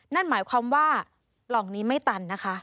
นั่นหมายความว่าปล่องนี้ไม่ตันนะคะ